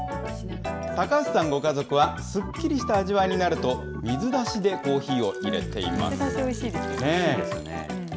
高橋さんご家族は、すっきりした味わいになると、水出しでコーヒーをいれています。